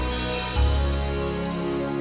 dan disney ini untuk caloriesapat